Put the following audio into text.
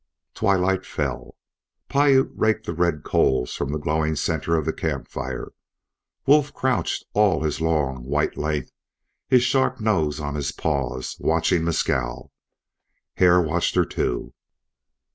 Twilight fell. Piute raked the red coals from the glowing centre of the camp fire. Wolf crouched all his long white length, his sharp nose on his paws, watching Mescal. Hare watched her, too.